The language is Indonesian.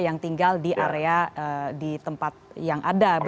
yang tinggal di area di tempat yang ada